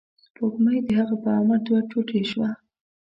سپوږمۍ د هغه په امر دوه ټوټې شوه.